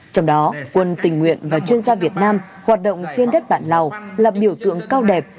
trong đó quân tình nguyện và chuyên gia việt nam hoạt động trên đất bạn lào là biểu tượng cao đẹp